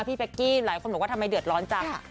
พี่เป๊กกี้หลายคนบอกว่าทำไมเดือดร้อนจัง